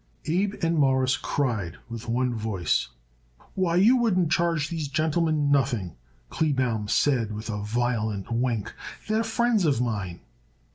Abe and Morris cried with one voice. "Why, you wouldn't charge these gentlemen nothing," Kleebaum said with a violent wink. "They're friends of mine."